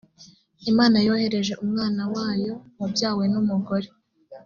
imana yohereje umwana wayoh wabyawe n umugore